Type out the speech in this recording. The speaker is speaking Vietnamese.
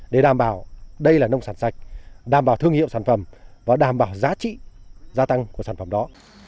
để đảm bảo đây là nông sản sạch đảm bảo thương hiệu sản phẩm và đảm bảo giá trị gia tăng của sản phẩm đó